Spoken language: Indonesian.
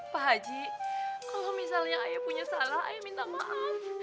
pak haji kalau misalnya ayah punya salah ayah minta maaf